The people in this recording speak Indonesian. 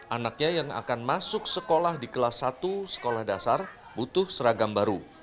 anaknya yang akan masuk sekolah di kelas satu sekolah dasar butuh seragam baru